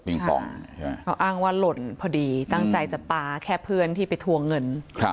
บ๊ายมปองก็อ้ากว่าหล่นพอดีตั้งใจจะปลาแค่เพื่อนที่ไปทัวงเงิน